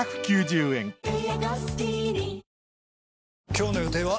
今日の予定は？